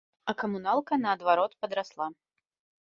А камуналка, наадварот, падрасла.